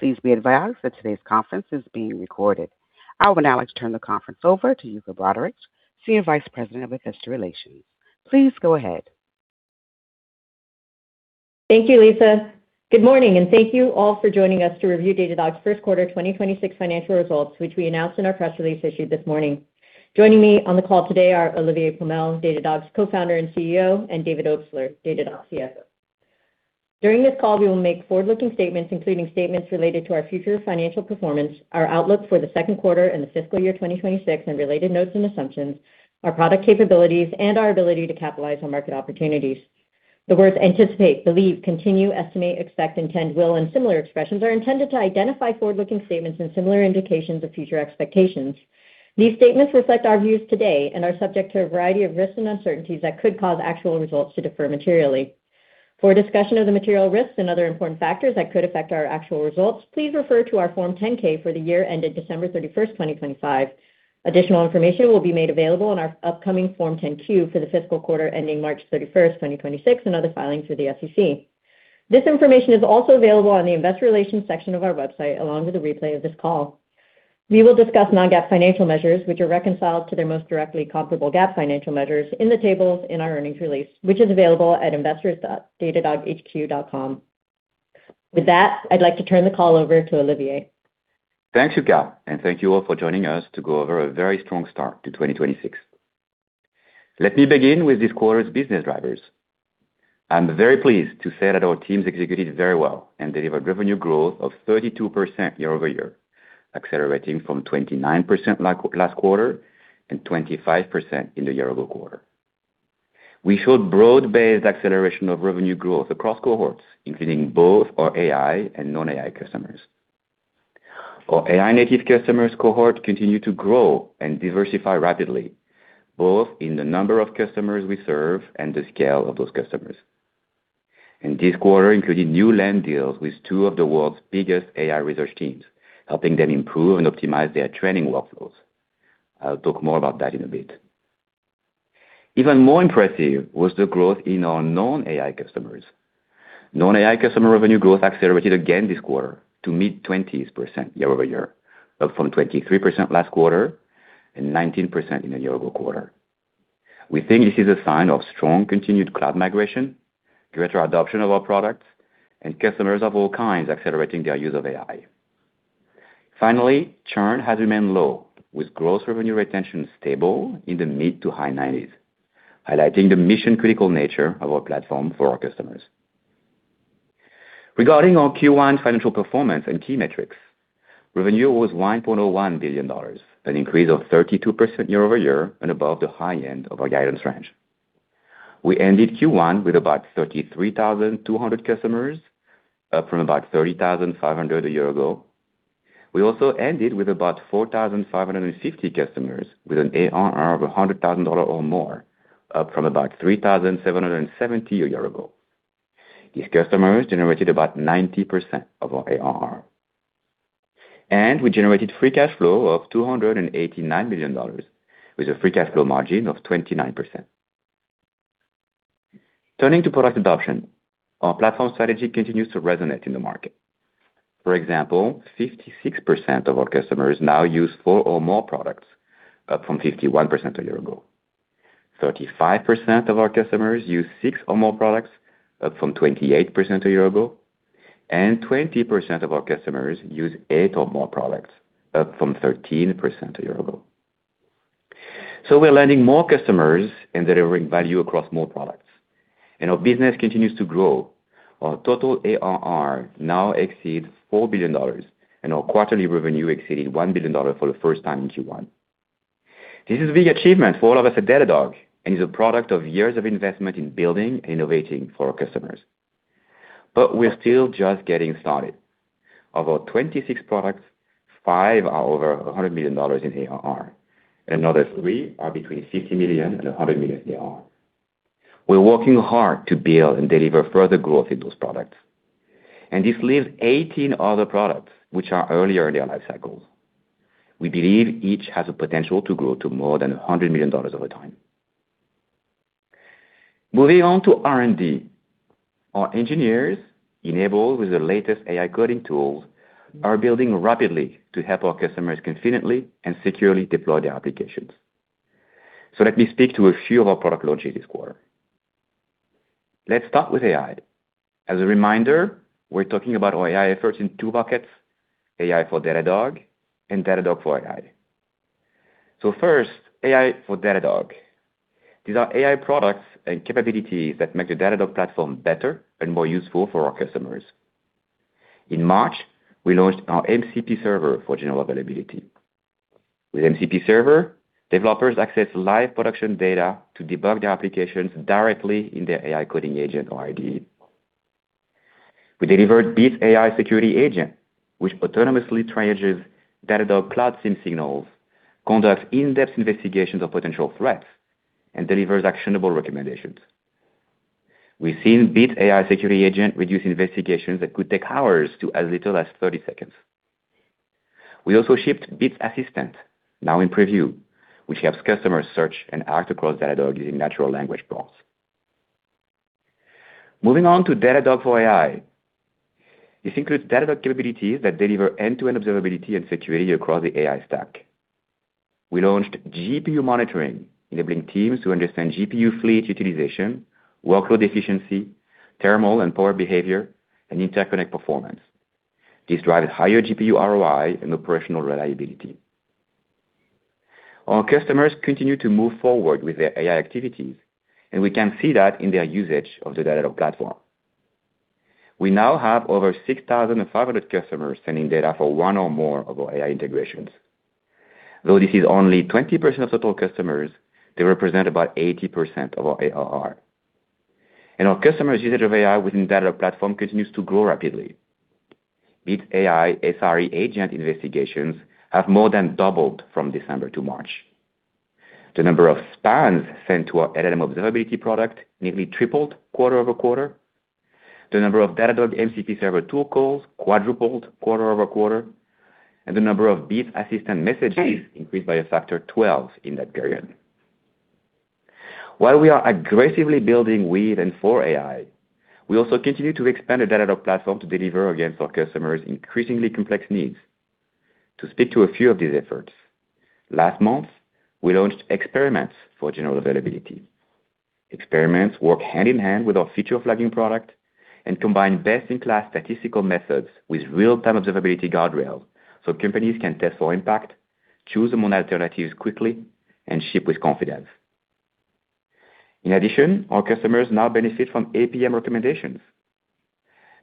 I would now like to turn the conference over to Yuka Broderick, Senior Vice President of Investor Relations. Please go ahead. Thank you, Lisa. Good morning, and thank you all for joining us to review Datadog's first quarter 2026 financial results, which we announced in our press release issued this morning. Joining me on the call today are Olivier Pomel, Datadog's Co-founder and CEO, and David Obstler, Datadog CFO. During this call, we will make forward-looking statements, including statements related to our future financial performance, our outlook for the second quarter and the fiscal year 2026 and related notes and assumptions, our product capabilities, and our ability to capitalize on market opportunities. The words anticipate, believe, continue, estimate, expect, intend, will, and similar expressions are intended to identify forward-looking statements and similar indications of future expectations. These statements reflect our views today and are subject to a variety of risks and uncertainties that could cause actual results to differ materially. For a discussion of the material risks and other important factors that could affect our actual results, please refer to our Form 10-K for the year ended December 31, 2025. Additional information will be made available on our upcoming Form 10-Q for the fiscal quarter ending March 31, 2026 and other filings with the SEC. This information is also available on the investor relations section of our website, along with a replay of this call. We will discuss non-GAAP financial measures, which are reconciled to their most directly comparable GAAP financial measures in the tables in our earnings release, which is available at investors.datadoghq.com. With that, I'd like to turn the call over to Olivier. Thank you, Yuka, and thank you all for joining us to go over a very strong start to 2026. Let me begin with this quarter's business drivers. I'm very pleased to say that our teams executed very well and delivered revenue growth of 32% year-over-year, accelerating from 29% last quarter and 25% in the year-ago quarter. We showed broad-based acceleration of revenue growth across cohorts, including both our AI and non-AI customers. Our AI-native customers cohort continue to grow and diversify rapidly, both in the number of customers we serve and the scale of those customers. This quarter included new land deals with two of the world's biggest AI research teams, helping them improve and optimize their training workflows. I'll talk more about that in a bit. Even more impressive was the growth in our non-AI customers. Non-AI customer revenue growth accelerated again this quarter to mid-20s% year-over-year, up from 23% last quarter and 19% in the year-ago quarter. We think this is a sign of strong continued cloud migration, greater adoption of our products, and customers of all kinds accelerating their use of AI. Finally, churn has remained low, with gross revenue retention stable in the mid-to-high 90s, highlighting the mission-critical nature of our platform for our customers. Regarding our Q1 financial performance and key metrics, revenue was $1.1 billion, an increase of 32% year-over-year and above the high end of our guidance range. We ended Q1 with about 33,200 customers, up from about 30,500 a year ago. We also ended with about 4,550 customers with an ARR of $100,000 or more, up from about 3,770 a year ago. These customers generated about 90% of our ARR. We generated free cash flow of $289 million, with a free cash flow margin of 29%. Turning to product adoption, our platform strategy continues to resonate in the market. For example, 56% of our customers now use four or more products, up from 51% a year ago. 35% of our customers use six or more products, up from 28% a year ago, and 20% of our customers use eight or more products, up from 13% a year ago. We're landing more customers and delivering value across more products, and our business continues to grow. Our total ARR now exceeds $4 billion, and our quarterly revenue exceeded $1 billion for the first time in Q1. This is a big achievement for all of us at Datadog and is a product of years of investment in building and innovating for our customers. We're still just getting started. Of our 26 products, five are over $100 million in ARR, and another three are between $50 million-$100 million in ARR. We're working hard to build and deliver further growth in those products. This leaves 18 other products which are earlier in their life cycles. We believe each has the potential to grow to more than $100 million over time. Moving on to R&D. Our engineers, enabled with the latest AI coding tools, are building rapidly to help our customers confidently and securely deploy their applications. Let me speak to a few of our product launches this quarter. Let's start with AI. As a reminder, we're talking about our AI efforts in two buckets, AI for Datadog and Datadog for AI. First, AI for Datadog. These are AI products and capabilities that make the Datadog platform better and more useful for our customers. In March, we launched our MCP Server for general availability. With MCP Server, developers access live production data to debug their applications directly in their AI coding agent or IDE. We delivered Bits AI Security Analyst, which autonomously triages Datadog Cloud SIEM signals, conducts in-depth investigations of potential threats, and delivers actionable recommendations. We've seen Bits AI Security Analyst reduce investigations that could take hours to as little as 30 seconds. We also shipped Bits Assistant, now in preview, which helps customers search and act across Datadog using natural language prompts. Moving on to Datadog for AI. This includes Datadog capabilities that deliver end-to-end observability and security across the AI stack. We launched GPU Monitoring, enabling teams to understand GPU fleet utilization, workload efficiency, thermal and power behavior, and interconnect performance. This drives higher GPU ROI and operational reliability. Our customers continue to move forward with their AI activities, and we can see that in their usage of the Datadog platform. We now have over 6,500 customers sending data for one or more of our AI integrations. Though this is only 20% of total customers, they represent about 80% of our ARR. Our customers' usage of AI within Datadog platform continues to grow rapidly. Bits AI SRE agent investigations have more than doubled from December to March. The number of spans sent to our LLM Observability product nearly tripled quarter-over-quarter. The number of Datadog MCP Server tool calls quadrupled quarter-over-quarter, and the number of Bits Assistant messages increased by a factor of 12 in that period. While we are aggressively building with and for AI, we also continue to expand the Datadog platform to deliver against our customers' increasingly complex needs. To speak to a few of these efforts, last month, we launched Experiments for general availability. Experiments work hand in hand with our feature flagging product and combine best-in-class statistical methods with real-time observability guardrails so companies can test for impact, choose among alternatives quickly, and ship with confidence. In addition, our customers now benefit from APM Recommendations.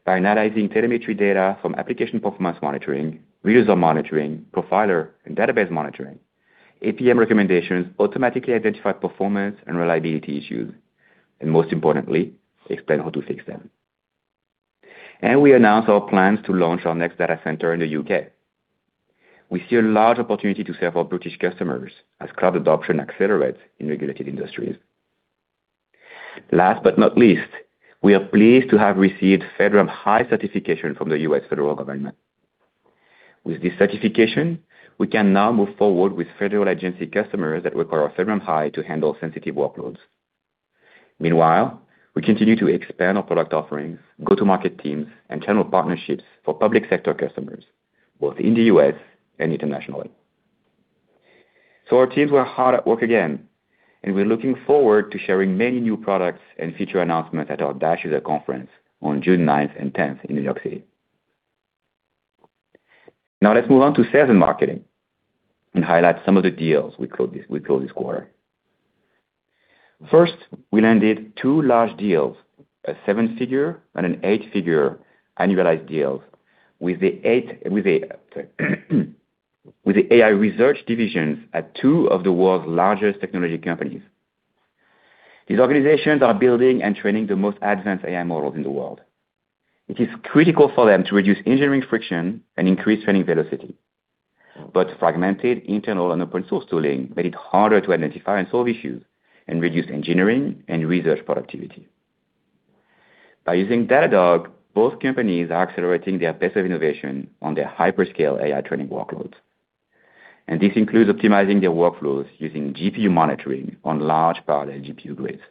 By analyzing telemetry data from application performance monitoring, user monitoring, profiler, and database monitoring, APM Recommendations automatically identify performance and reliability issues, and most importantly, explain how to fix them. We announced our plans to launch our next data center in the U.K. We see a large opportunity to serve our British customers as cloud adoption accelerates in regulated industries. Last but not least, we are pleased to have received FedRAMP High certification from the U.S. federal government. With this certification, we can now move forward with federal agency customers that require FedRAMP High to handle sensitive workloads. Meanwhile, we continue to expand our product offerings, go-to-market teams, and channel partnerships for public sector customers, both in the U.S. and internationally. Our teams were hard at work again, and we're looking forward to sharing many new products and feature announcements at our DASH user conference on June 9th and 10th in New York City. Let's move on to sales and marketing and highlight some of the deals we closed this quarter. First, we landed two large deals, a seven-figure and an eight-figure annualized deals with the AI research divisions at two of the world's largest technology companies. These organizations are building and training the most advanced AI models in the world. It is critical for them to reduce engineering friction and increase training velocity. Fragmented internal and open source tooling made it harder to identify and solve issues and reduce engineering and research productivity. By using Datadog, both companies are accelerating their pace of innovation on their hyperscale AI training workloads. This includes optimizing their workflows using GPU Monitoring on large parallel GPU grids.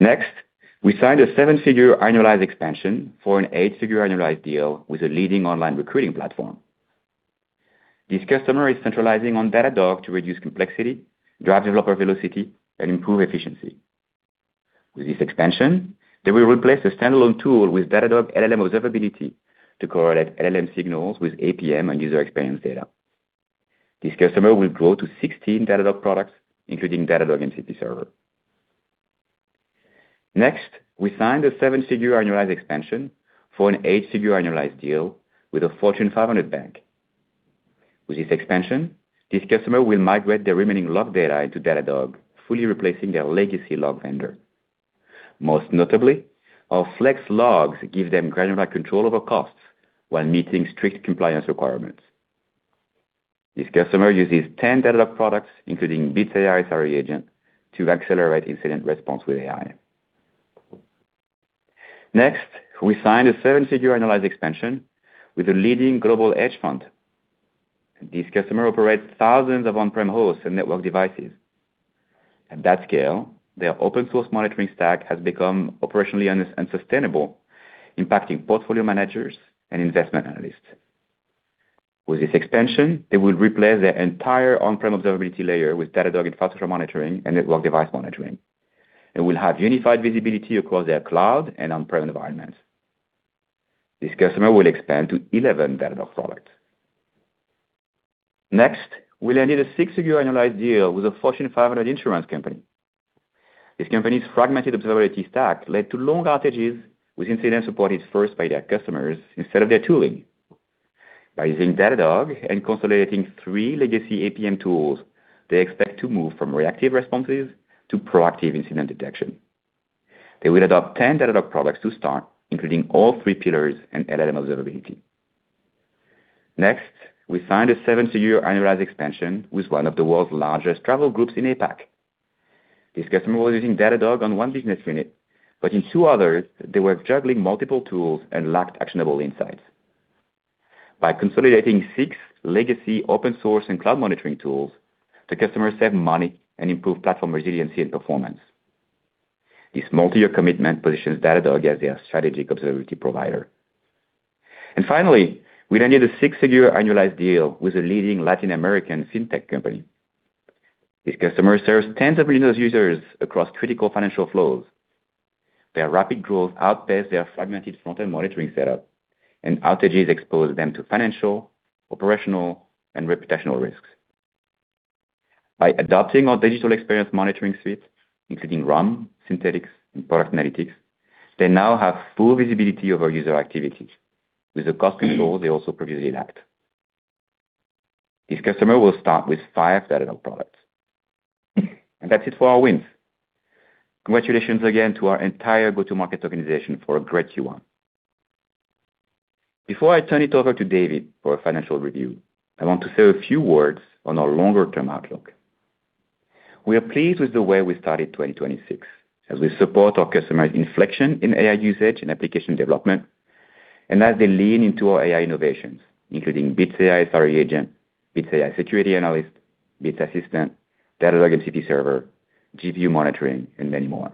Next, we signed a seven-figure annualized expansion for an eight-figure annualized deal with a leading online recruiting platform. This customer is centralizing on Datadog to reduce complexity, drive developer velocity, and improve efficiency. With this expansion, they will replace a standalone tool with Datadog LLM Observability to correlate LLM signals with APM and user experience data. This customer will grow to 16 Datadog products, including Datadog MCP Server. We signed a seven-figure annualized expansion for an eight-figure annualized deal with a Fortune 500 bank. With this expansion, this customer will migrate their remaining log data into Datadog, fully replacing their legacy log vendor. Most notably, our Flex Logs give them granular control over costs while meeting strict compliance requirements. This customer uses 10 Datadog products, including Bits AI SRE Agent, to accelerate incident response with AI. We signed a seven-figure annualized expansion with a leading global hedge fund. This customer operates thousands of on-prem hosts and network devices. At that scale, their open source monitoring stack has become operationally unsustainable, impacting portfolio managers and investment analysts. With this expansion, they will replace their entire on-prem observability layer with Datadog Infrastructure Monitoring and Network Device Monitoring. It will have unified visibility across their cloud and on-prem environments. This customer will expand to 11 Datadog products. We landed a six-figure annualized deal with a Fortune 500 insurance company. This company's fragmented observability stack led to long outages with incident supported first by their customers instead of their tooling. By using Datadog and consolidating three legacy APM tools, they expect to move from reactive responses to proactive incident detection. They will adopt 10 Datadog products to start, including all three pillars and LLM Observability. Next, we signed a seven-figure annualized expansion with one of the world's largest travel groups in APAC. This customer was using Datadog on one business unit, but in two others, they were juggling multiple tools and lacked actionable insights. By consolidating six legacy open source and cloud monitoring tools, the customers save money and improve platform resiliency and performance. This multi-year commitment positions Datadog as their strategic observability provider. Finally, we landed a six-figure annualized deal with a leading Latin American fintech company. This customer serves tens of millions of users across critical financial flows. Their rapid growth outpaced their fragmented front-end monitoring setup, and outages exposed them to financial, operational, and reputational risks. By adopting our Digital Experience Monitoring suite, including RUM, Synthetics, and Product Analytics, they now have full visibility over user activities with the cost control they also previously lacked. This customer will start with 5 Datadog products. That's it for our wins. Congratulations again to our entire go-to-market organization for a great Q1. Before I turn it over to David for a financial review, I want to say a few words on our longer term outlook. We are pleased with the way we started 2026 as we support our customers' inflection in AI usage and application development, and as they lean into our AI innovations, including Bits AI SRE, Bits AI Security Analyst, Bits Assistant, Datadog MCP Server, GPU Monitoring, and many more.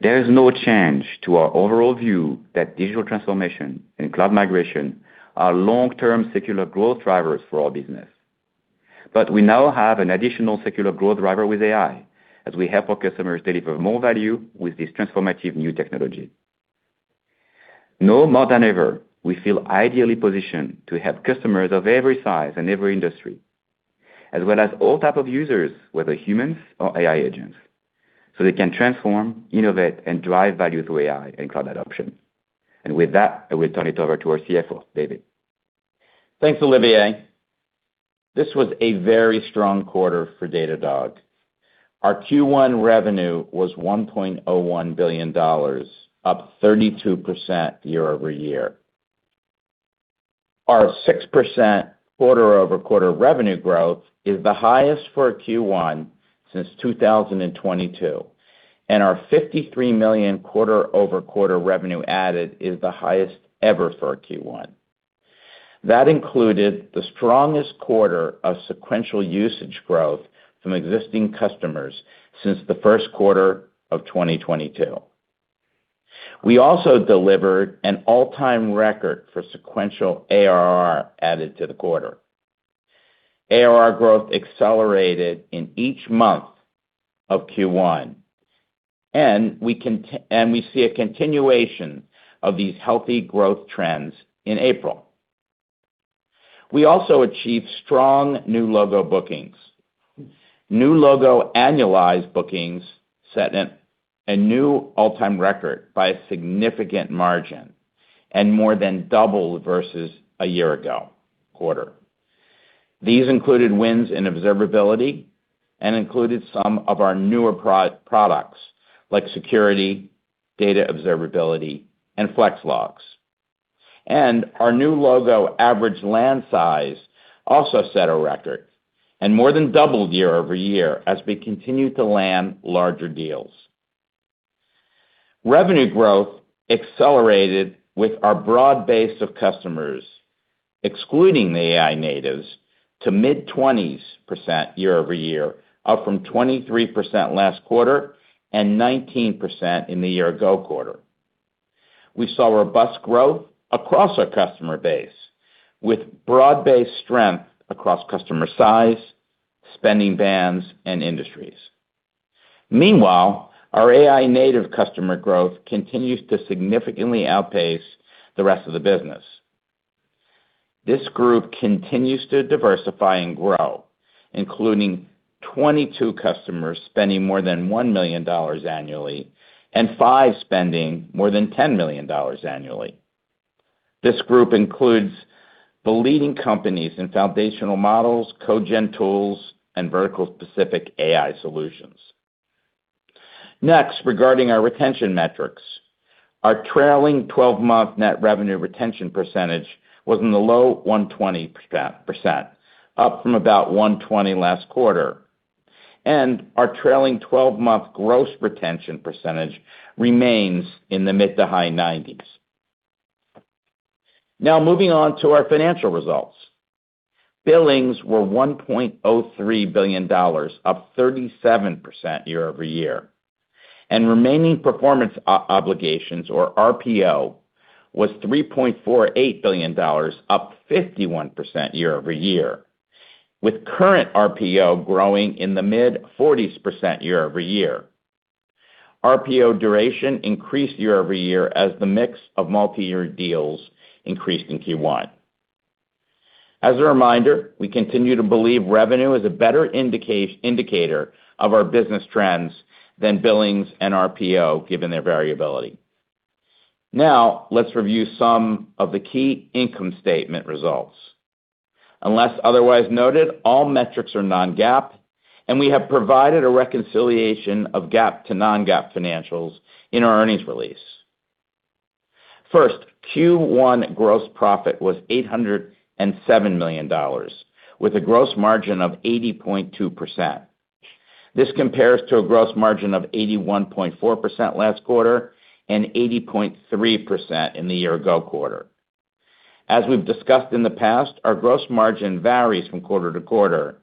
There is no change to our overall view that digital transformation and cloud migration are long-term secular growth drivers for our business. We now have an additional secular growth driver with AI as we help our customers deliver more value with this transformative new technology. Now more than ever, we feel ideally positioned to help customers of every size and every industry, as well as all type of users, whether humans or AI agents, so they can transform, innovate, and drive value through AI and cloud adoption. With that, I will turn it over to our CFO, David. Thanks, Olivier. This was a very strong quarter for Datadog. Our Q1 revenue was $1.01 billion, up 32% year-over-year. Our 6% quarter-over-quarter revenue growth is the highest for a Q1 since 2022, and our $53 million quarter-over-quarter revenue added is the highest ever for a Q1. That included the strongest quarter of sequential usage growth from existing customers since the first quarter of 2022. We also delivered an all-time record for sequential ARR added to the quarter. ARR growth accelerated in each month of Q1, and we see a continuation of these healthy growth trends in April. We also achieved strong new logo bookings. New logo annualized bookings set a new all-time record by a significant margin and more than double versus a year ago quarter. These included wins in observability and included some of our newer products like security, Data Observability, and Flex Logs. Our new logo average land size also set a record and more than doubled year-over-year as we continue to land larger deals. Revenue growth accelerated with our broad base of customers, excluding the AI natives, to mid-20s percent year-over-year, up from 23% last quarter and 19% in the year-ago quarter. We saw robust growth across our customer base with broad-based strength across customer size, spending bands, and industries. Meanwhile, our AI native customer growth continues to significantly outpace the rest of the business. This group continues to diversify and grow, including 22 customers spending more than $1 million annually and five spending more than $10 million annually. This group includes the leading companies in foundational models, code-gen tools, and vertical specific AI solutions. Next, regarding our retention metrics. Our trailing-12-month net revenue retention percentage was in the low 120%, up from about 120 last quarter, and our trailing-12-month gross retention percentage remains in the mid to high 90s. Now moving on to our financial results. Billings were $1.03 billion, up 37% year-over-year, and remaining performance obligations, or RPO, was $3.48 billion, up 51% year-over-year, with current RPO growing in the mid-40s percent year-over-year. RPO duration increased year-over-year as the mix of multi-year deals increased in Q1. As a reminder, we continue to believe revenue is a better indicator of our business trends than billings and RPO, given their variability. Now let's review some of the key income statement results. Unless otherwise noted, all metrics are non-GAAP, and we have provided a reconciliation of GAAP to non-GAAP financials in our earnings release. First, Q1 gross profit was $807 million with a gross margin of 80.2%. This compares to a gross margin of 81.4% last quarter and 80.3% in the year-ago quarter. As we've discussed in the past, our gross margin varies from quarter-to-quarter,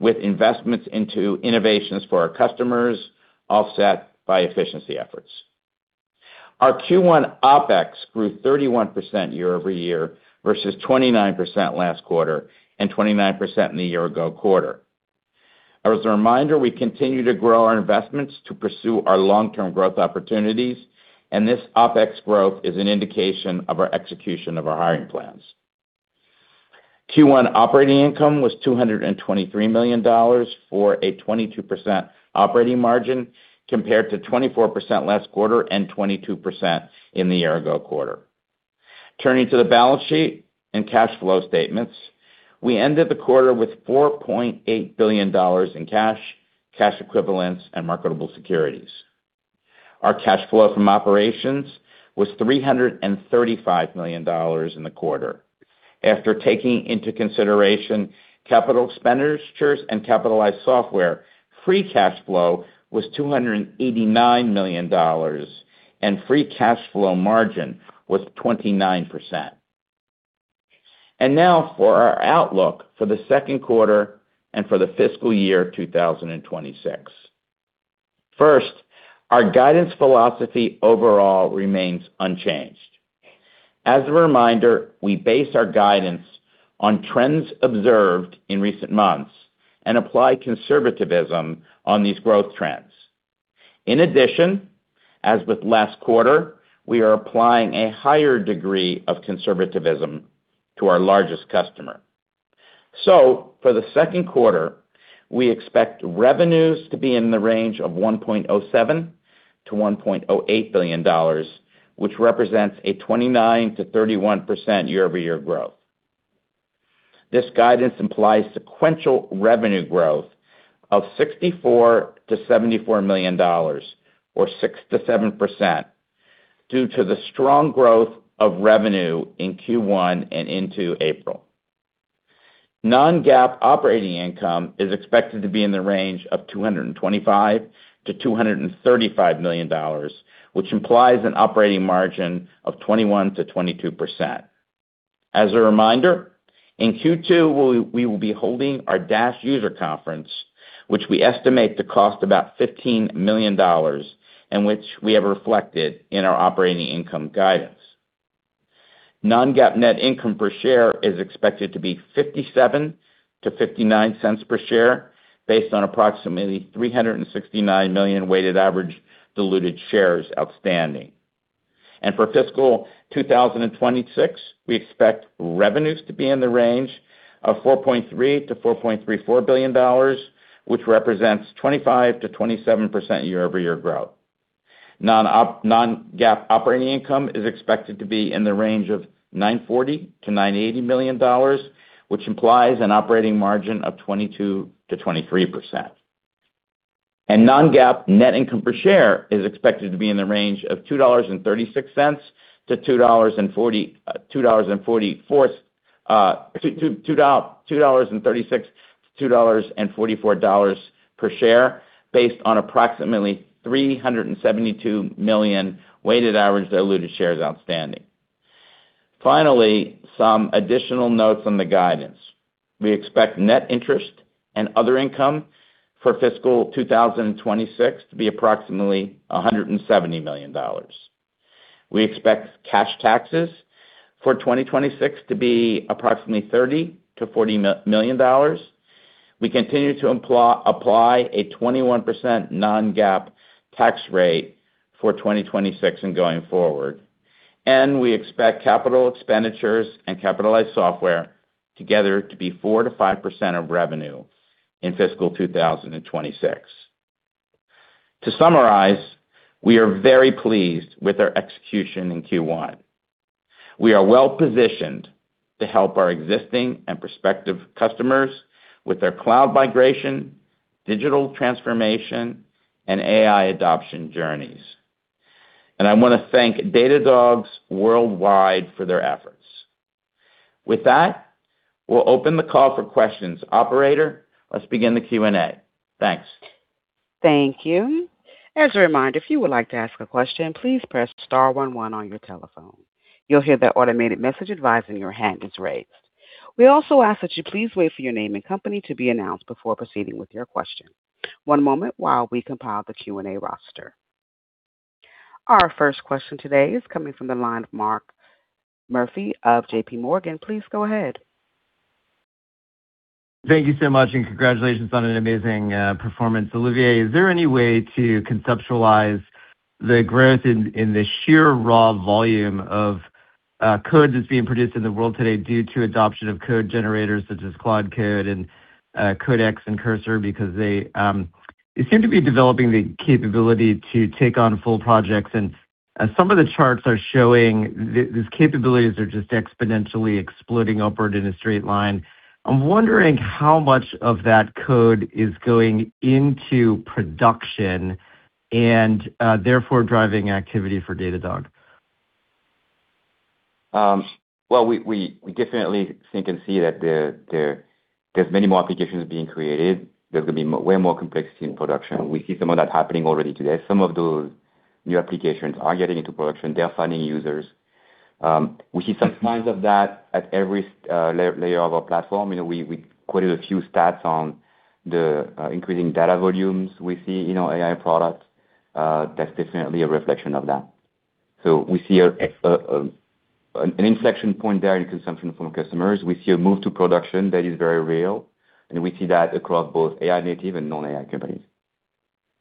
with investments into innovations for our customers offset by efficiency efforts. Our Q1 OpEx grew 31% year-over-year versus 29% last quarter and 29% in the year-ago quarter. As a reminder, we continue to grow our investments to pursue our long-term growth opportunities, and this OpEx growth is an indication of our execution of our hiring plans. Q1 operating income was $223 million for a 22% operating margin, compared to 24% last quarter and 22% in the year ago quarter. Turning to the balance sheet and cash flow statements. We ended the quarter with $4.8 billion in cash equivalents and marketable securities. Our cash flow from operations was $335 million in the quarter. After taking into consideration capital expenditures and capitalized software, free cash flow was $289 million, and free cash flow margin was 29%. Now for our outlook for the second quarter and for the fiscal year 2026. First, our guidance philosophy overall remains unchanged. As a reminder, we base our guidance on trends observed in recent months and apply conservativism on these growth trends. In addition, as with last quarter, we are applying a higher degree of conservativism to our largest customer. For the second quarter, we expect revenues to be in the range of $1.07 billion-$1.08 billion, which represents a 29%-31% year-over-year growth. This guidance implies sequential revenue growth of $64 million-$74 million, or 6%-7%, due to the strong growth of revenue in Q1 and into April. Non-GAAP operating income is expected to be in the range of $225 million-$235 million, which implies an operating margin of 21%-22%. As a reminder, in Q2 we will be holding our Dash User Conference, which we estimate to cost about $15 million and which we have reflected in our operating income guidance. Non-GAAP net income per share is expected to be $0.57-$0.59 per share based on approximately 369 million weighted average diluted shares outstanding. For fiscal 2026, we expect revenues to be in the range of $4.3 billion-$4.34 billion, which represents 25%-27% year-over-year growth. Non-GAAP operating income is expected to be in the range of $940 million-$980 million, which implies an operating margin of 22%-23%. Non-GAAP net income per share is expected to be in the range of $2.36-$2.44 per share based on approximately 372 million weighted average diluted shares outstanding. Finally, some additional notes on the guidance. We expect net interest and other income for fiscal 2026 to be approximately $170 million. We expect cash taxes for 2026 to be approximately $30 million-$40 million. We continue to apply a 21% non-GAAP tax rate for 2026 and going forward. We expect capital expenditures and capitalized software together to be 4%-5% of revenue in fiscal 2026. To summarize, we are very pleased with our execution in Q1. We are well-positioned to help our existing and prospective customers with their cloud migration, digital transformation, and AI adoption journeys. I want to thank Datadogs worldwide for their efforts. With that, we'll open the call for questions. Operator, let's begin the Q&A. Thanks. Thank you. As a reminder, if you would like to ask a question, please press star one one on your telephone. You'll hear the automated message advising your hand is raised. We also ask that you please wait for your name and company to be announced before proceeding with your question. One moment while we compile the Q&A roster. Our first question today is coming from the line of Mark Murphy of JPMorgan. Please go ahead. Thank you so much, and congratulations on an amazing performance. Olivier, is there any way to conceptualize the growth in the sheer raw volume of code that's being produced in the world today due to adoption of code generators such as Claude Code and Codex and Cursor because they seem to be developing the capability to take on full projects. As some of the charts are showing, these capabilities are just exponentially exploding upward in a straight line. I'm wondering how much of that code is going into production and, therefore driving activity for Datadog. Well, we definitely think and see that there's many more applications being created. There's gonna be way more complexity in production. We see some of that happening already today. Some of those new applications are getting into production. They are finding users. We see some signs of that at every layer of our platform. You know, we quoted a few stats on the increasing data volumes we see in our AI products. That's definitely a reflection of that. We see an inflection point there in consumption from customers. We see a move to production that is very real, and we see that across both AI native and non-AI companies.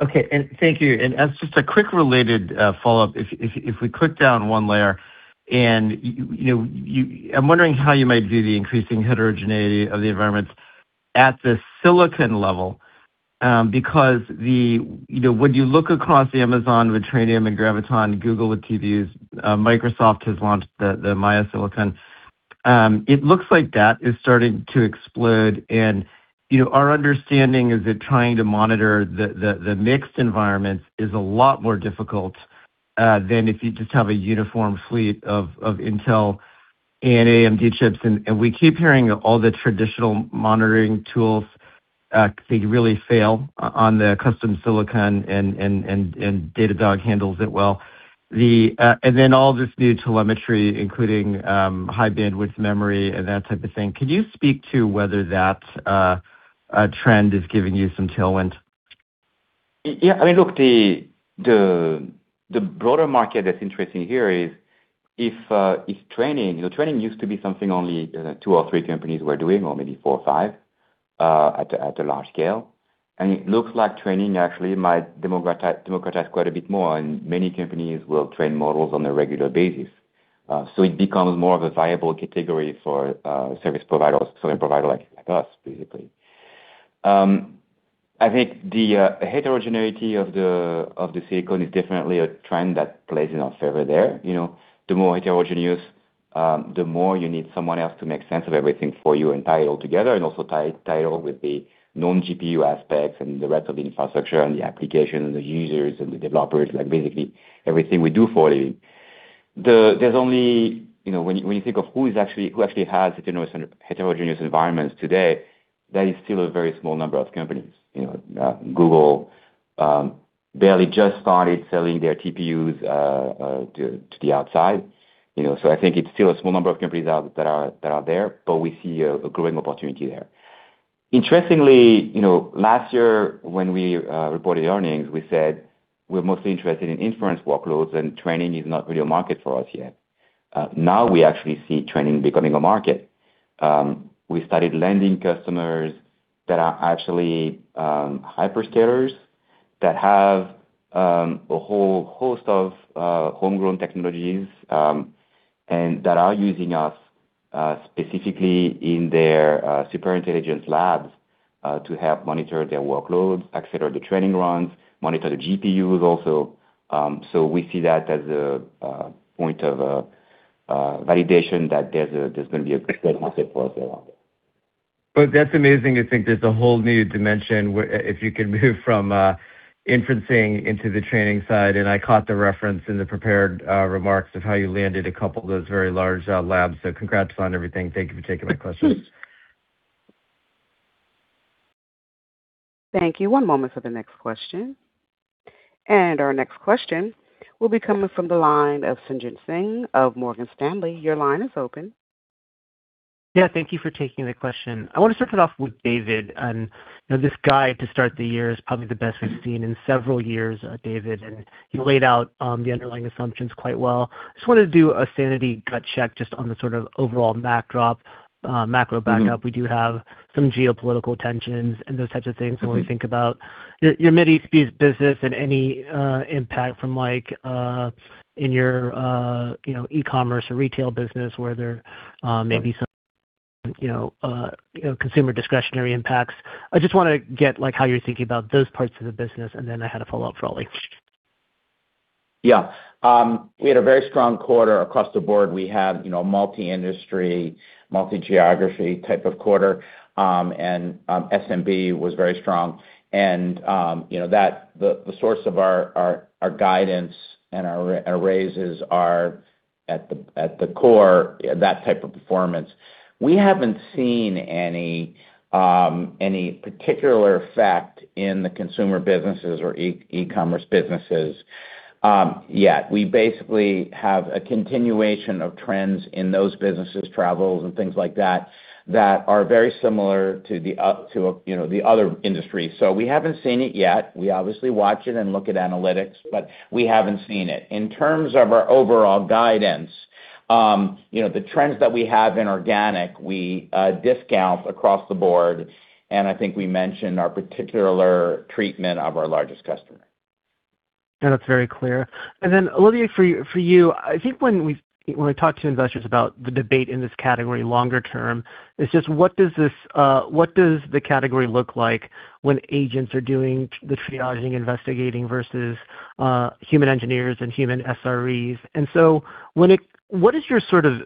Okay. Thank you. As just a quick related follow-up. If we click down one layer, you know, I'm wondering how you might view the increasing heterogeneity of the environments at the silicon level. Because when you look across Amazon with Trainium and Graviton, Google with TPUs, Microsoft has launched the Maia silicon, it looks like that is starting to explode. You know, our understanding is that trying to monitor the mixed environments is a lot more difficult than if you just have a uniform fleet of Intel and AMD chips. We keep hearing all the traditional monitoring tools, because they really fail on the custom silicon and Datadog handles it well. All this new telemetry, including high bandwidth memory and that type of thing, could you speak to whether that trend is giving you some tailwind? Yeah. I mean, look, the broader market that's interesting here is. You know, training used to be something only two or three companies were doing or maybe four or five, at a large scale. It looks like training actually might democratize quite a bit more, and many companies will train models on a regular basis. It becomes more of a viable category for service provider like us, basically. I think the heterogeneity of the silicon is definitely a trend that plays in our favor there. You know, the more heterogeneous, the more you need someone else to make sense of everything for you and tie it all together and also tie it all with the non-GPU aspects and the rest of the infrastructure and the application and the users and the developers, like, basically everything we do for you. There's only You know, when you think of who actually has heterogeneous environments today, that is still a very small number of companies. You know, Google barely just started selling their TPUs to the outside. You know, I think it's still a small number of companies out that are there, but we see a growing opportunity there. Interestingly, you know, last year when we reported earnings, we said we're mostly interested in inference workloads and training is not really a market for us yet. Now we actually see training becoming a market. We started landing customers that are actually hyperscalers that have a whole host of homegrown technologies, and that are using us specifically in their super intelligence labs to help monitor their workloads, accelerate the training runs, monitor the GPUs also. We see that as a point of validation that there's a, there's gonna be a good market for us there. Well, that's amazing to think there's a whole new dimension where if you can move from inferencing into the training side. I caught the reference in the prepared remarks of how you landed a couple of those very large labs. Congrats on everything. Thank you for taking my questions. Thank you. One moment for the next question. Our next question will be coming from the line of Sanjit Singh of Morgan Stanley. Your line is open. Yeah. Thank you for taking the question. I want to start it off with David. You know, this guide to start the year is probably the best we've seen in several years, David, and you laid out the underlying assumptions quite well. Just wanted to do a sanity gut check just on the sort of overall macro backdrop. We do have some geopolitical tensions and those types of things when we think about your mid-SMBs business and any impact from like in your, you know, e-commerce or retail business where there may be some, you know, consumer discretionary impacts. I just want to get, like, how you're thinking about those parts of the business, and then I had a follow-up for Ollie. Yeah. We had a very strong quarter across the board. We had, you know, multi-industry, multi-geography type of quarter. SMB was very strong. You know that the source of our, our guidance and our raises are at the, at the core, that type of performance. We haven't seen any particular effect in the consumer businesses or e-commerce businesses yet. We basically have a continuation of trends in those businesses, travels and things like that are very similar to, you know, the other industries. We haven't seen it yet. We obviously watch it and look at analytics, but we haven't seen it. In terms of our overall guidance. You know, the trends that we have in organic, we discount across the board, and I think we mentioned our particular treatment of our largest customer. No, that's very clear. Olivier, for you, I think when we talk to investors about the debate in this category longer term, it's just what does this, what does the category look like when agents are doing the triaging, investigating versus human engineers and human SREs? What is your sort of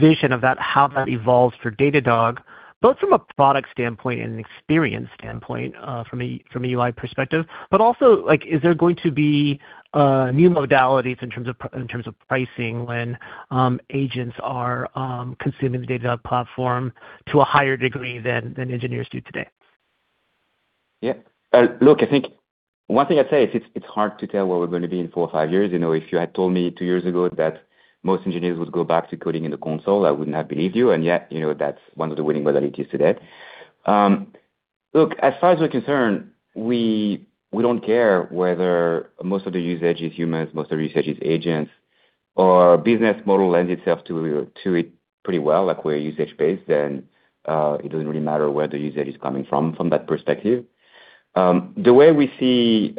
vision of that, how that evolves for Datadog, both from a product standpoint and an experience standpoint, from a UI perspective. Also, like, is there going to be new modalities in terms of pricing when agents are consuming the Datadog platform to a higher degree than engineers do today? Yeah. Look, I think one thing I'd say is it's hard to tell where we're gonna be in four or five years. You know, if you had told me two years ago that most engineers would go back to coding in the console, I would not believe you. Yet, you know, that's one of the winning modalities today. Look, as far as we're concerned, we don't care whether most of the usage is humans, most of the usage is agents. Our business model lends itself to it pretty well. Like, we're usage-based, it doesn't really matter where the usage is coming from that perspective. The way we see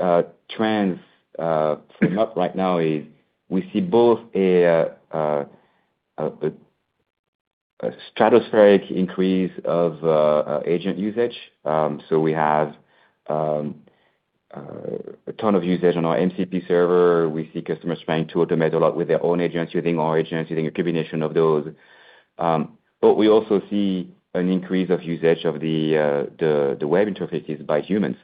trends sum up right now is we see both a stratospheric increase of agent usage. We have a ton of usage on our MCP Server. We see customers trying to automate a lot with their own agents, using our agents, using a combination of those. We also see an increase of usage of the web interfaces by humans.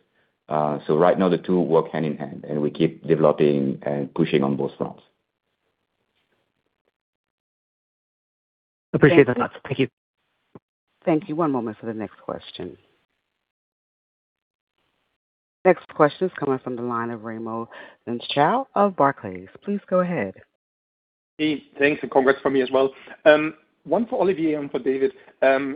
Right now, the two work hand in hand, and we keep developing and pushing on both fronts. Appreciate the thoughts. Thank you. Thank you. One moment for the next question. Next question is coming from the line of Raimo Lenschow of Barclays. Please go ahead. Hey, thanks, and congrats from me as well. One for Olivier and for David. Yeah.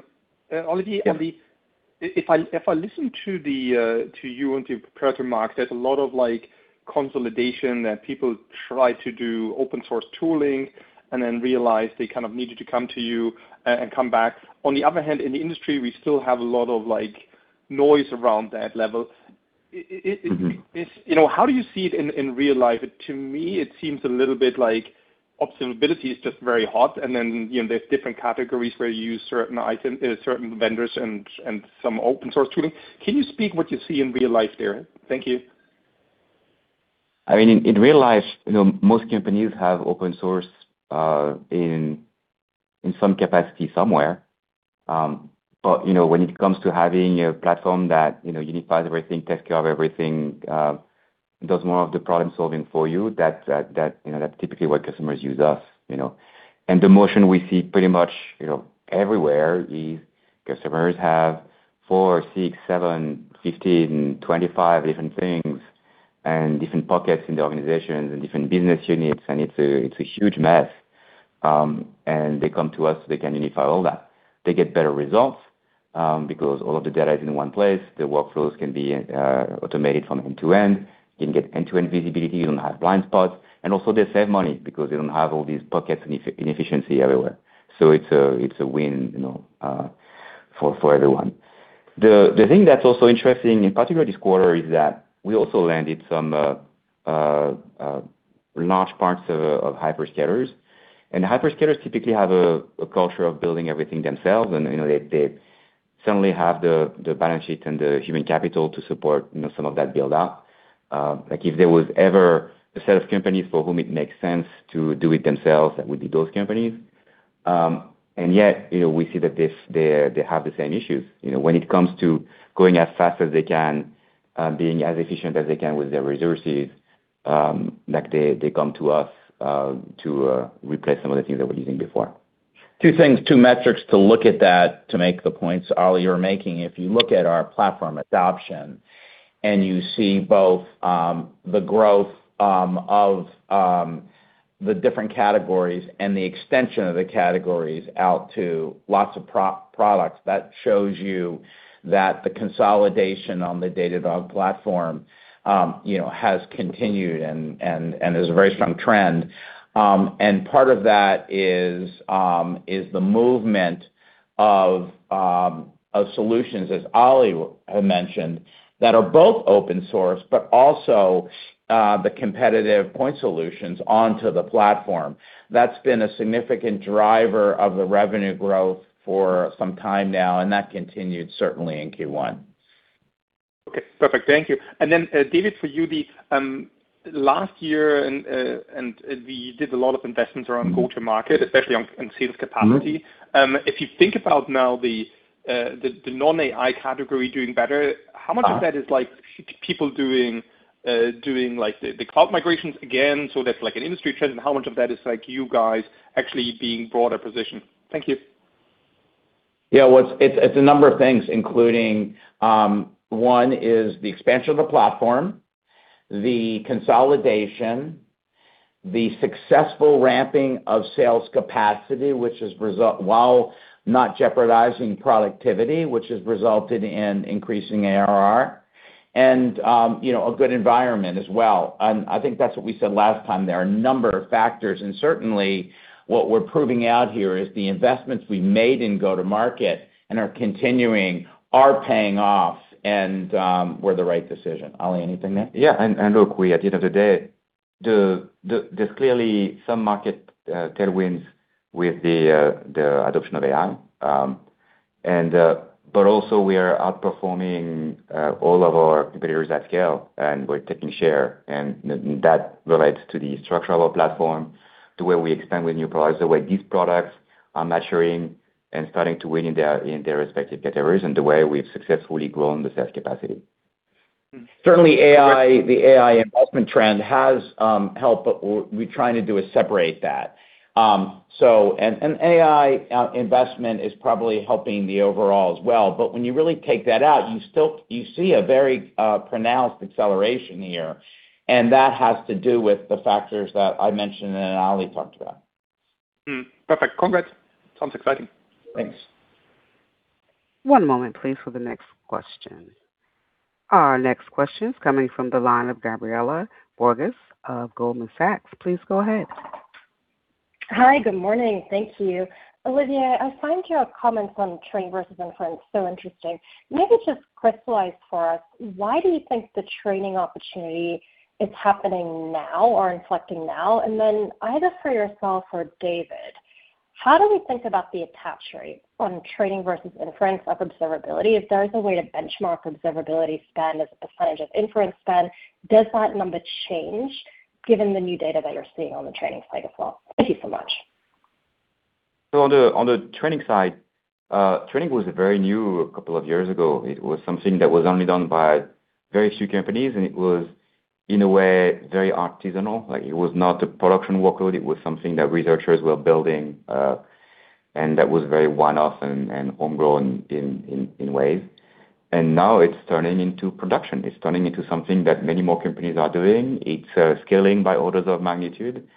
If I listen to you and to your prepared remarks, there's a lot of, like, consolidation that people try to do open source tooling and then realize they kind of needed to come to you and come back. On the other hand, in the industry, we still have a lot of, like, noise around that level. You know, how do you see it in real life? To me, it seems a little bit like observability is just very hot and then, you know, there's different categories where you use certain vendors and some open source tooling. Can you speak what you see in real life there? Thank you. I mean, in real life, you know, most companies have open source in some capacity somewhere. When it comes to having a platform that, you know, unifies everything, takes care of everything, does more of the problem-solving for you, that's, that, you know, that's typically why customers use us, you know. The motion we see pretty much, you know, everywhere is customers have four, six, seven, 15, 25 different things and different pockets in the organizations and different business units, and it's a, it's a huge mess. They come to us so they can unify all that. They get better results because all of the data is in one place. The workflows can be automated from end-to-end. You can get end-to-end visibility. You don't have blind spots. Also, they save money because they don't have all these pockets in inefficiency everywhere. It's a win, you know, for everyone. The thing that's also interesting in particular this quarter is that we also landed some large parts of hyperscalers. Hyperscalers typically have a culture of building everything themselves. You know, they certainly have the balance sheet and the human capital to support, you know, some of that build-out. Like, if there was ever a set of companies for whom it makes sense to do it themselves, that would be those companies. Yet, you know, we see that they have the same issues. You know, when it comes to going as fast as they can, being as efficient as they can with their resources, like, they come to us to replace some of the things they were using before. Two things, two metrics to look at that to make the points, Oli, you're making. If you look at our platform adoption and you see both the growth of the different categories and the extension of the categories out to lots of pro-products, that shows you that the consolidation on the Datadog platform, you know, has continued and is a very strong trend. Part of that is the movement of solutions, as Oli had mentioned, that are both open source, but also the competitive point solutions onto the platform. That's been a significant driver of the revenue growth for some time now, and that continued certainly in Q1. Okay. Perfect. Thank you. David, for you, the last year, we did a lot of investments around go-to-market, especially on, in sales capacity. If you think about now the non-AI category doing better, how much of that is people doing the cloud migrations again, so that's an industry trend? How much of that is you guys actually being broader positioned? Thank you. Yeah. Well, it's a number of things, including, one is the expansion of the platform, the successful ramping of sales capacity, while not jeopardizing productivity, which has resulted in increasing ARR and, you know, a good environment as well. I think that's what we said last time. There are a number of factors, and certainly what we're proving out here is the investments we made in go-to market and are continuing are paying off and, were the right decision. Oli, anything to add? Yeah. Look, at the end of the day, there's clearly some market tailwinds with the adoption of AI. Also we are outperforming all of our competitors at scale, and we're taking share. That relates to the structural platform, the way we expand with new products, the way these products are maturing and starting to win in their respective categories, and the way we've successfully grown the sales capacity. Certainly AI, the AI investment trend has helped, but what we're trying to do is separate that, and AI investment is probably helping the overall as well. When you really take that out, you see a very pronounced acceleration here, and that has to do with the factors that I mentioned and Oli talked about. Perfect. Congrats. Sounds exciting. Thanks. One moment please for the next question. Our next question is coming from the line of Gabriela Borges of Goldman Sachs. Please go ahead. Hi. Good morning. Thank you. Olivier, I find your comments on training versus inference so interesting. Maybe just crystallize for us, why do you think the training opportunity is happening now or inflecting now? And then either for yourself or David, how do we think about the attach rate on training versus inference of observability? If there is a way to benchmark observability spend as a percentage of inference spend, does that number change given the new data that you're seeing on the training side as well? Thank you so much. On the training side, training was very new a couple of years ago. It was something that was only done by very few companies, and it was, in a way, very artisanal. It was not a production workload, it was something that researchers were building, and that was very one-off and homegrown in ways. Now it's turning into production. It's turning into something that many more companies are doing. It's scaling by orders of magnitude,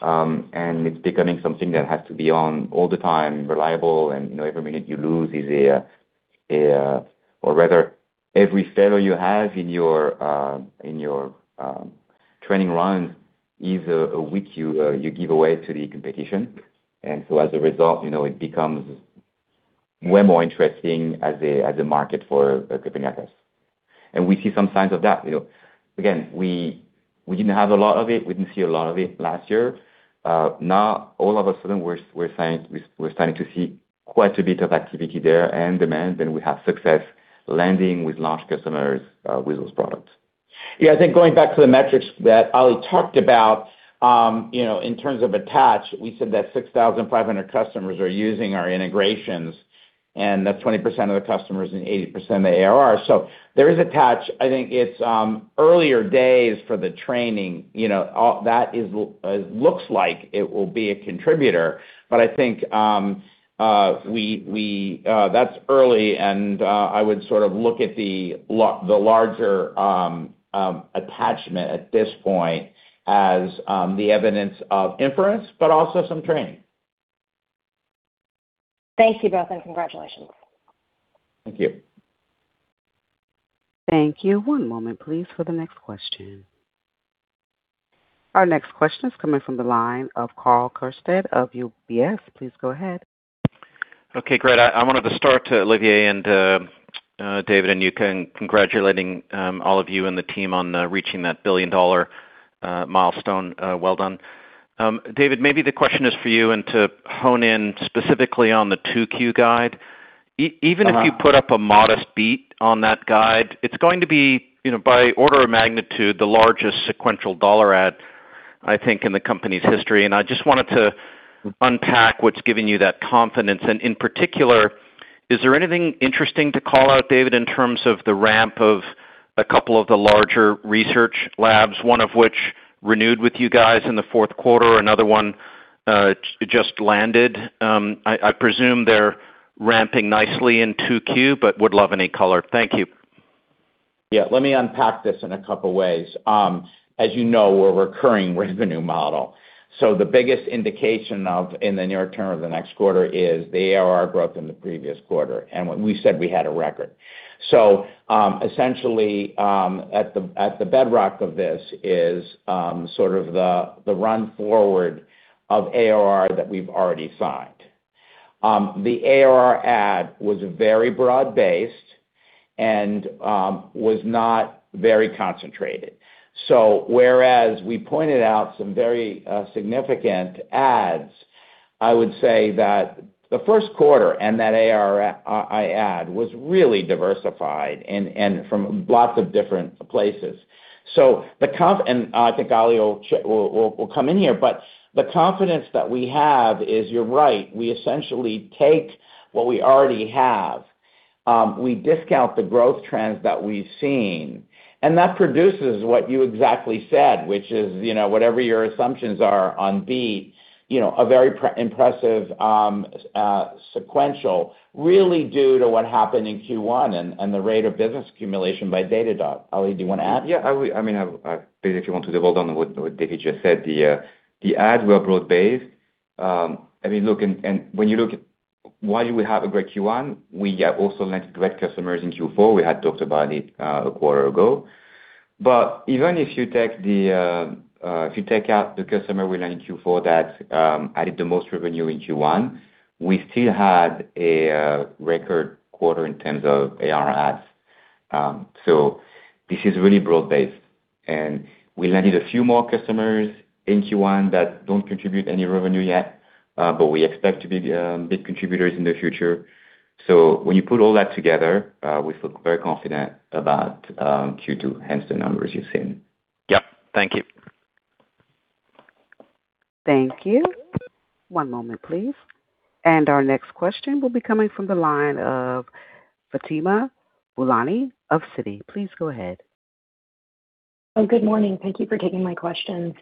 and it's becoming something that has to be on all the time, reliable and, you know, every minute you lose is a or rather every failure you have in your training run is a week you give away to the competition. As a result, you know, it becomes way more interesting as a, as a market for companies like us. We see some signs of that. You know, again, we didn't have a lot of it. We didn't see a lot of it last year. Now all of a sudden we're starting to see quite a bit of activity there and demand, and we have success landing with large customers with those products. Yeah. I think going back to the metrics that Oli talked about, you know, in terms of attach, we said that 6,500 customers are using our integrations, and that's 20% of the customers and 80% of the ARR. There is attach. I think it's earlier days for the training, you know, all that looks like it will be a contributor. I think we- that's early and I would sort of look at the larger attachment at this point as the evidence of inference but also some training. Thank you both, and congratulations. Thank you. Thank you. One moment please for the next question. Our next question is coming from the line of Karl Keirstead of UBS. Please go ahead. Okay, great. I wanted to start, Olivier and David and you congratulating all of you and the team on reaching that billion-dollar milestone. Well done. David, maybe the question is for you and to hone in specifically on the 2Q guide. Even if you put up a modest beat on that guide, it's going to be, you know, by order of magnitude, the largest sequential dollar add, I think, in the company's history. I just wanted to unpack what's giving you that confidence. In particular, is there anything interesting to call out, David, in terms of the ramp of a couple of the larger research labs, one of which renewed with you guys in the fourth quarter, another one just landed. I presume they're ramping nicely in 2Q, but would love any color. Thank you. Yeah. Let me unpack this in a couple ways. As you know, we're a recurring revenue model. The biggest indication of in the near term or the next quarter is the ARR growth in the previous quarter, and when we said we had a record. Essentially, at the bedrock of this is sort of the run forward of ARR that we've already signed. The ARR add was very broad-based and was not very concentrated. Whereas we pointed out some very significant adds, I would say that the first quarter and that ARR add was really diversified and from lots of different places. I think Oli will come in here, but the confidence that we have is, you're right, we essentially take what we already have. We discount the growth trends that we've seen, and that produces what you exactly said, which is, you know, whatever your assumptions are on beat, you know, a very impressive sequential, really due to what happened in Q1 and the rate of business accumulation by Datadog. Oli, do you wanna add? Yeah, I would. I mean, I basically want to develop on what David just said. The adds were broad-based. Why we have a great Q1? We have also landed great customers in Q4. We had talked about it a quarter ago. Even if you take the, if you take out the customer we land in Q4 that added the most revenue in Q1, we still had a record quarter in terms of ARR adds. This is really broad-based. We landed a few more customers in Q1 that don't contribute any revenue yet, but we expect to be big contributors in the future. When you put all that together, we feel very confident about Q2, hence the numbers you're seeing. Yeah. Thank you. Thank you. One moment, please. Our next question will be coming from the line of Fatima Boolani of Citi. Please go ahead. Good morning. Thank you for taking my questions.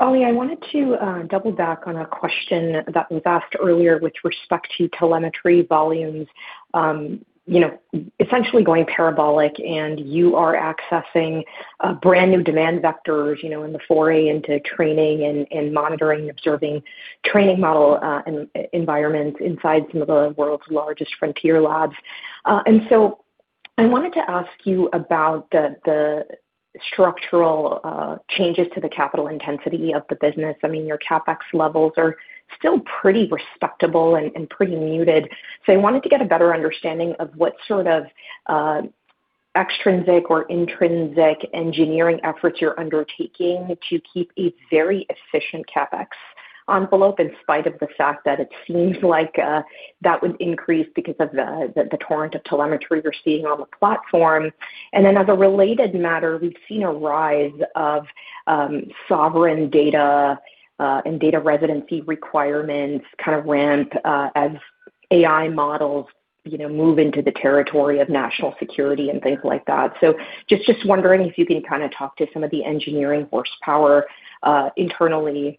Oli, I wanted to double back on a question that was asked earlier with respect to telemetry volumes, you know, essentially going parabolic, and you are accessing brand new demand vectors, you know, in the foray into training and monitoring, observing training model environments inside some of the world's largest frontier labs. I wanted to ask you about the structural changes to the capital intensity of the business. I mean, your CapEx levels are still pretty respectable and pretty muted. I wanted to get a better understanding of what sort of extrinsic or intrinsic engineering efforts you're undertaking to keep a very efficient CapEx envelope, in spite of the fact that it seems like that would increase because of the torrent of telemetry you're seeing on the platform. As a related matter, we've seen a rise of sovereign data and data residency requirements kind of ramp as AI models, you know, move into the territory of national security and things like that. Wondering if you can kind of talk to some of the engineering horsepower internally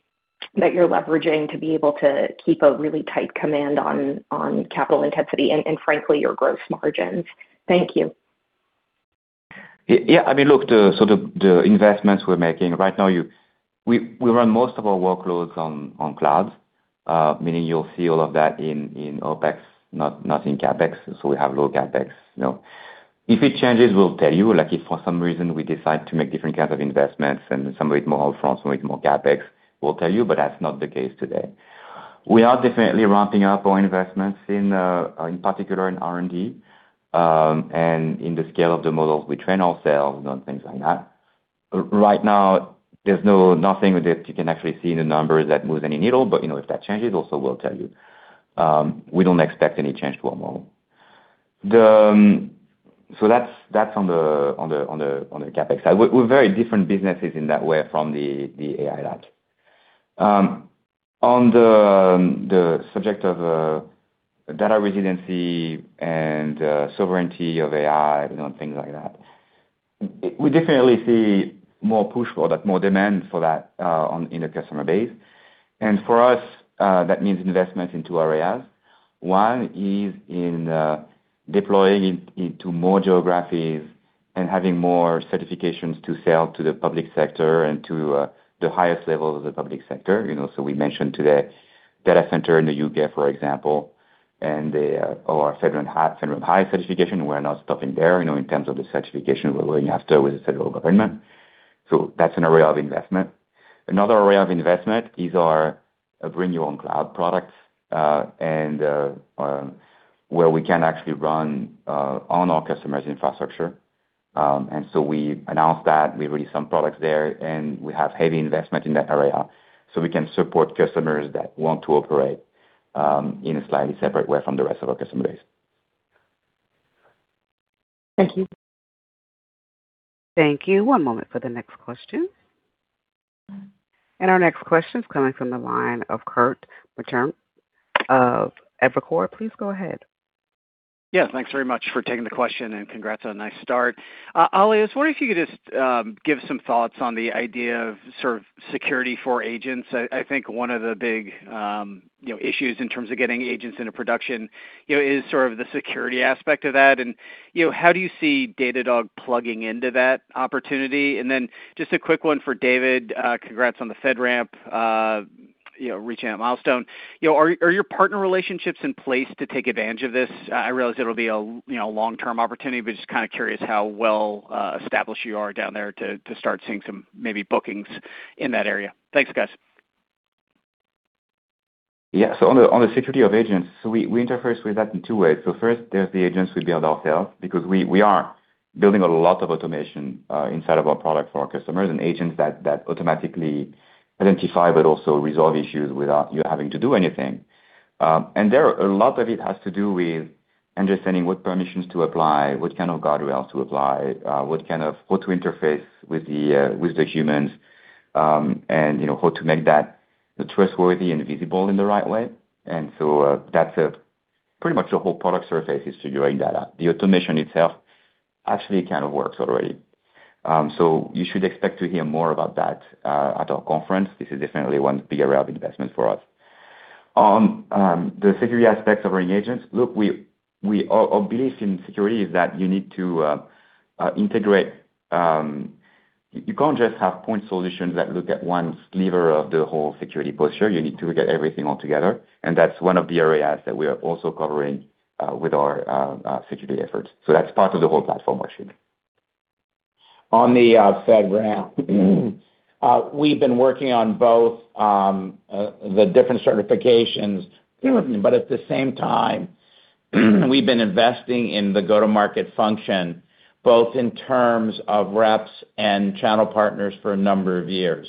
that you're leveraging to be able to keep a really tight command on capital intensity and frankly, your gross margins. Thank you. Yeah. I mean, look, the investments we're making right now, we run most of our workloads on clouds, meaning you'll see all of that in OpEx, not in CapEx. We have low CapEx, you know. If it changes, we'll tell you. Like if for some reason we decide to make different kinds of investments and some of it more up-front, some of it more CapEx, we'll tell you, but that's not the case today. We are definitely ramping up our investments in particular in R&D, and in the scale of the models we train ourselves and things like that. Right now, there's nothing that you can actually see in the numbers that moves any needle, but you know, if that changes, also we'll tell you. We don't expect any change to our model. That's on the CapEx side. We're very different businesses in that way from the AI labs. On the subject of data residency and sovereignty of AI, you know, and things like that, we definitely see more push for that, more demand for that in the customer base. For us, that means investments in two areas. One is in deploying into more geographies and having more certifications to sell to the public sector and to the highest levels of the public sector. You know, we mentioned today data center in the U.K., for example, or our FedRAMP High certification. We're not stopping there, you know, in terms of the certification we're going after with the federal government. That's an area of investment. Another area of investment is our Bring Your Own Cloud products, where we can actually run on our customers' infrastructure. We announced that. We released some products there, and we have heavy investment in that area, so we can support customers that want to operate in a slightly separate way from the rest of our customer base. Thank you. Thank you. One moment for the next question. Our next question is coming from the line of Kirk Materne of Evercore. Please go ahead. Yeah. Thanks very much for taking the question, and congrats on a nice start. Oli, I was wondering if you could just give some thoughts on the idea of sort of security for agents. I think one of the big, you know, issues in terms of getting agents into production, you know, is sort of the security aspect of that. How do you see Datadog plugging into that opportunity? Just a quick one for David. Congrats on the FedRAMP, you know, reaching that milestone. You know, are your partner relationships in place to take advantage of this? I realize it'll be a, you know, long-term opportunity, but just kinda curious how well established you are down there to start seeing some maybe bookings in that area. Thanks, guys. Yeah. On the security of agents, we interface with that in two ways. First, there's the agents we build ourselves because we are building a lot of automation inside of our product for our customers and agents that automatically identify but also resolve issues without you having to do anything. There, a lot of it has to do with understanding what permissions to apply, what kind of guardrails to apply, how to interface with the humans, and you know, how to make that trustworthy and visible in the right way. That's pretty much the whole product surface is figuring that out. The automation itself actually kind of works already. You should expect to hear more about that at our conference. This is definitely one big area of investment for us. The security aspects of running agents. Look, we, our belief in security is that you need to integrate. You can't just have point solutions that look at one sliver of the whole security posture. You need to look at everything all together. That's one of the areas that we are also covering with our security efforts. That's part of the whole platform actually. On the FedRAMP. We've been working on both the different certifications, but at the same time, we've been investing in the go-to-market function, both in terms of reps and channel partners for a number of years.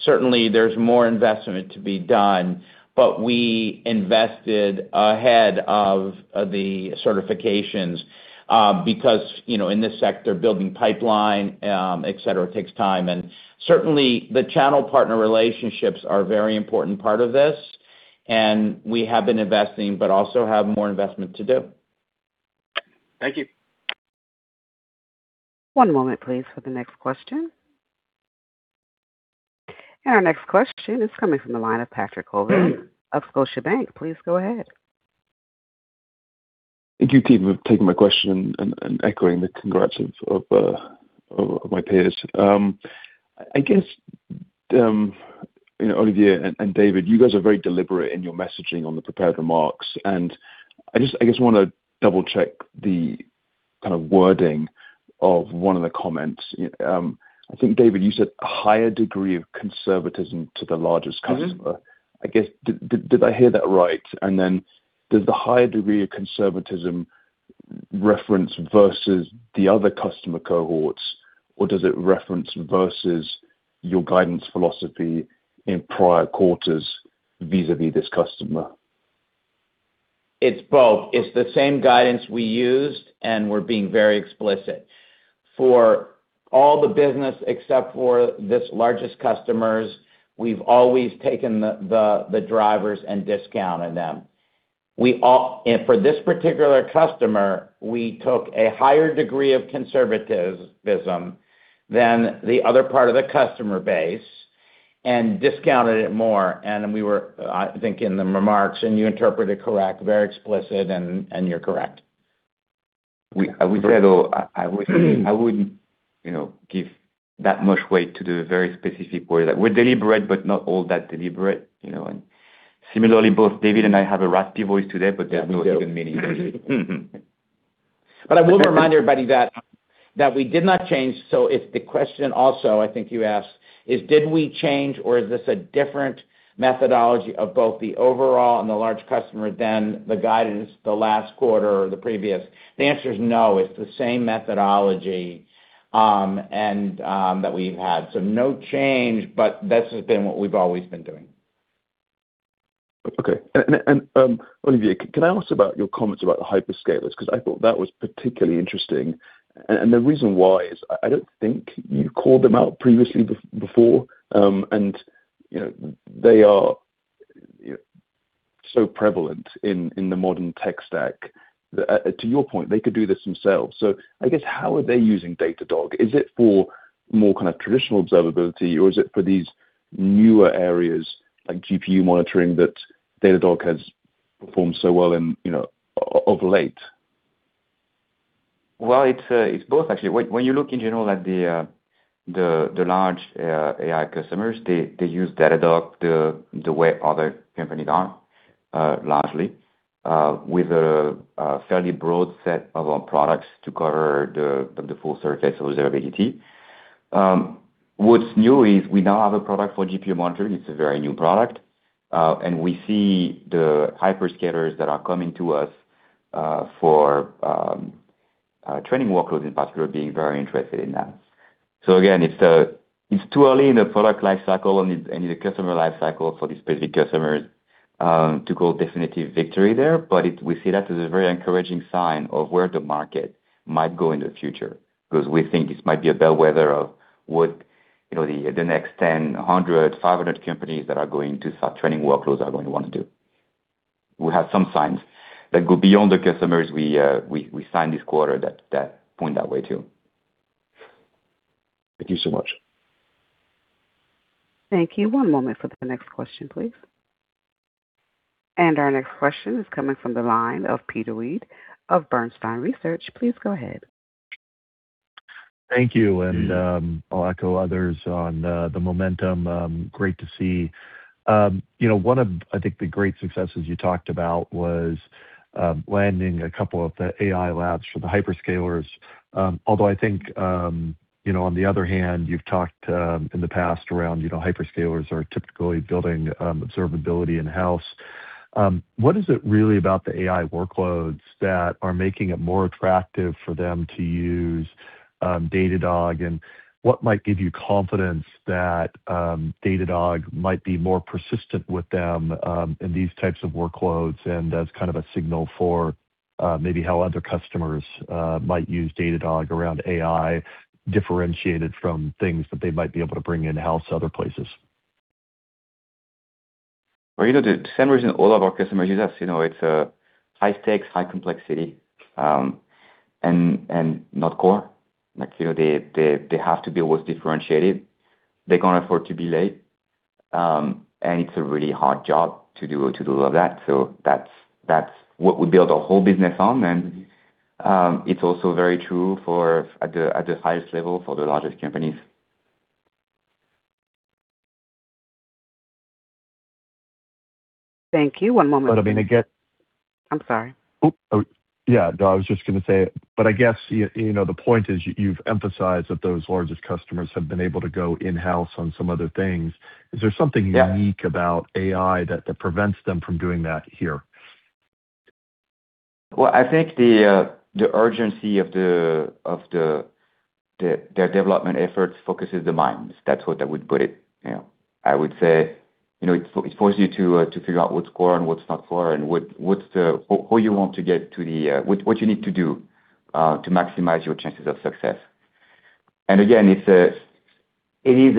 Certainly, there's more investment to be done, but we invested ahead of the certifications because, you know, in this sector, building pipeline, et cetera, takes time. Certainly, the channel partner relationships are a very important part of this, and we have been investing, but also have more investment to do. Thank you. One moment, please, for the next question. Our next question is coming from the line of Patrick Colville of Scotiabank. Please go ahead. Thank you for taking my question and echoing the congrats of my peers. I guess, you know, Olivier and David, you guys are very deliberate in your messaging on the prepared remarks, I just wanna double-check the kind of wording of one of the comments. I think, David, you said higher degree of conservatism to the largest customer. I guess, did I hear that right? Does the higher degree of conservatism reference versus the other customer cohorts, or does it reference versus your guidance philosophy in prior quarters vis-à-vis this customer? It's both. It's the same guidance we used. We're being very explicit. For all the business except for this largest customers, we've always taken the drivers and discounted them. For this particular customer, we took a higher degree of conservatism than the other part of the customer base and discounted it more. We were, I think, in the remarks, you interpreted correct, very explicit, and you're correct. I would, you know, give that much weight to the very specific way that we're deliberate, but not all that deliberate, you know. Similarly, both David and I have a raspy voice today, but there's no hidden meaning. I will remind everybody that we did not change. If the question also, I think you asked, is did we change or is this a different methodology of both the overall and the large customer than the guidance the last quarter or the previous? The answer is no. It's the same methodology, and that we've had. No change, but that's been what we've always been doing. Okay, and Olivier, can I ask about your comments about the hyperscalers? 'Cause I thought that was particularly interesting. The reason why is I don't think you called them out previously before, and, you know, they are so prevalent in the modern tech stack. To your point, they could do this themselves. I guess how are they using Datadog? Is it for more kind of traditional observability, or is it for these newer areas like GPU Monitoring that Datadog has performed so well in, you know, of late? Well, it's both actually. When you look in general at the large AI customers, they use Datadog the way other companies are largely with a fairly broad set of our products to cover the full surface of observability. What's new is we now have a product for GPU Monitoring. It's a very new product. We see the hyperscalers that are coming to us for training workloads in particular, being very interested in that. Again, it's too early in the product life cycle and the customer life cycle for these specific customers to call definitive victory there. We see that as a very encouraging sign of where the market might go in the future because we think this might be a bellwether of what, you know, the next 100, 500 companies that are going to start training workloads are going to want to do. We have some signs that go beyond the customers we signed this quarter that point that way too. Thank you so much. Thank you. One moment for the next question, please. Our next question is coming from the line of Peter Weed of Bernstein Research. Please go ahead. Thank you. I'll echo others on the momentum. Great to see. You know, one of, I think, the great successes you talked about was landing a couple of the AI labs for the hyperscalers. Although I think, you know, on the other hand, you've talked in the past around, you know, hyperscalers are typically building observability in-house. What is it really about the AI workloads that are making it more attractive for them to use Datadog? What might give you confidence that Datadog might be more persistent with them in these types of workloads and as kind of a signal for maybe how other customers might use Datadog around AI differentiated from things that they might be able to bring in-house other places? Well, you know, the same reason all of our customers use us, you know, it's a high stakes, high complexity, and not core. Like, you know, they have to be always differentiated. They can't afford to be late. It's a really hard job to do all of that. That's what we build our whole business on. It's also very true for at the highest level for the largest companies. Thank you. One moment please. I mean, again. I'm sorry. Oh, yeah. No, I was just gonna say, but I guess, you know, the point is you've emphasized that those largest customers have been able to go in-house on some other things. Is there something- Yeah.... unique about AI that prevents them from doing that here? Well, I think the urgency of the development efforts focuses the minds. That's what I would put it, you know. I would say, you know, it forces you to figure out what's core and what's not core and what you need to do to maximize your chances of success. Again, it is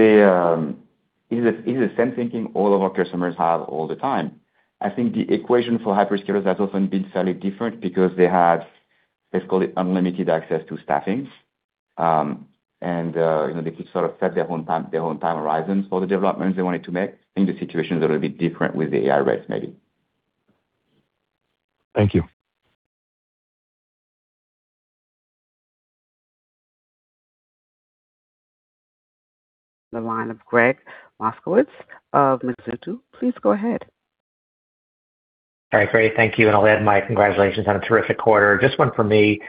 a same thinking all of our customers have all the time. I think the equation for hyperscalers has often been slightly different because they have, let's call it, unlimited access to staffings. You know, they could sort of set their own time, their own time horizons for the developments they wanted to make. I think the situation is a little bit different with AI race maybe. Thank you. The line of Gregg Moskowitz of Mizuho. Please go ahead. All right. Great. Thank you. I'll add my congratulations on a terrific quarter. Just one for me.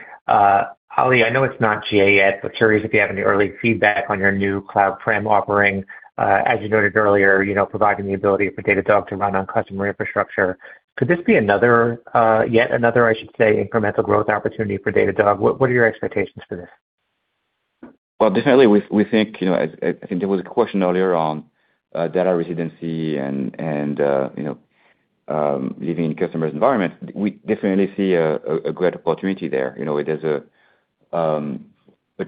Oli, I know it's not GA yet, but curious if you have any early feedback on your new CloudPrem offering. As you noted earlier, you know, providing the ability for Datadog to run on customer infrastructure. Could this be another, yet another, I should say, incremental growth opportunity for Datadog? What are your expectations for this? Well, definitely we think, you know, as I think there was a question earlier on, data residency and, you know, living in customers environment. We definitely see a great opportunity there. You know, there's a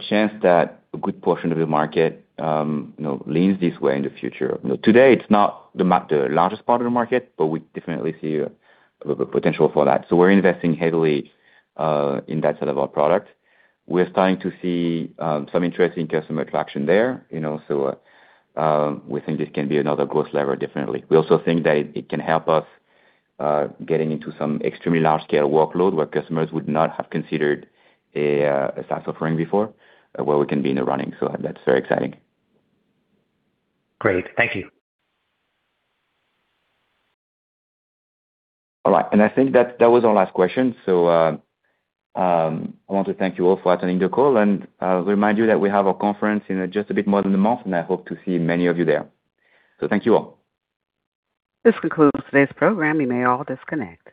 chance that a good portion of the market, you know, leans this way in the future. You know, today it's not the largest part of the market, but we definitely see a potential for that. We're investing heavily in that side of our product. We're starting to see some interesting customer traction there, you know. We think this can be another growth lever definitely. We also think that it can help us getting into some extremely large scale workload where customers would not have considered a SaaS offering before, where we can be in the running. That's very exciting. Great. Thank you. All right. I think that was our last question. I want to thank you all for attending the call, and remind you that we have a conference in just a bit more than a month, and I hope to see many of you there. Thank you all. This concludes today's program. You may all disconnect.